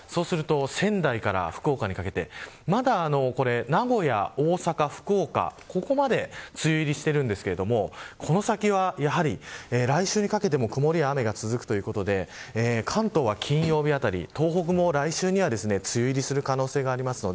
仙台から福岡にかけてまだ名古屋、大阪、福岡ここまで梅雨入りしているんですけどこの先は来週にかけても曇りや雨が続くということで関東は、金曜日あたり東北も来週には梅雨入りする可能性があります。